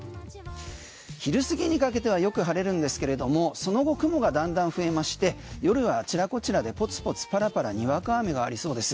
昼過ぎにかけてはよく晴れるんですけれどもその後、雲がだんだん増えまして夜はあちらこちらでポツポツ、パラパラにわか雨がありそうです。